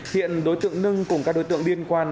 hiện đối tượng nâng cùng các đối tượng liên quan